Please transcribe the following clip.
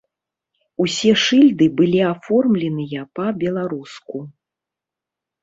Усе шыльды былі аформленыя па-беларуску.